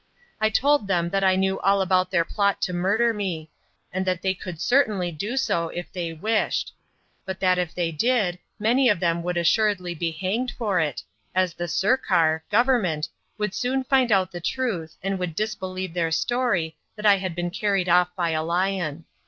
I told them that I knew all about their plot to murder me, and that they could certainly do so if they wished; but that if they did, many of them would assuredly be hanged for it, as the Sirkar (Government) would soon find out the truth and would disbelieve their story that I had been carried off by a lion.